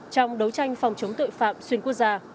trong đấu tranh phòng chống tội phạm xuyên quốc gia